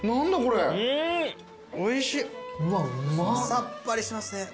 さっぱりしてますね。